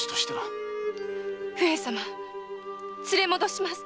上様連れ戻します。